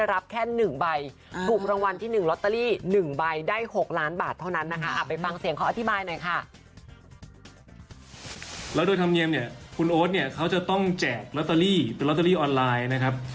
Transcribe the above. แล้วโดยธรรมเนียมเนี่ยคุณโอ๊ตเนี่ยเขาจะต้องแจกลอตเตอรี่เป็นลอตเตอรี่ออนไลน์นะครับ